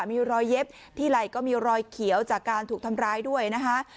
มีรอยเย็บที่ไหล่ก็มีรอยเขียวจากการถูกทำร้ายด้วยนะคะ